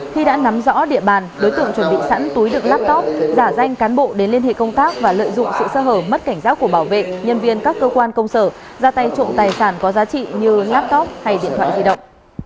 khi đã nắm rõ địa bàn đối tượng chuẩn bị sẵn túi được laptop giả danh cán bộ đến liên hệ công tác và lợi dụng sự sơ hở mất cảnh giác của bảo vệ nhân viên các cơ quan công sở ra tay trộm tài sản có giá trị như laptop hay điện thoại di động